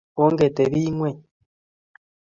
ongetebii ing'weny